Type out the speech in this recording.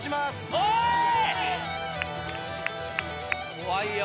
怖いよ。